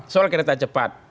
soal kereta cepat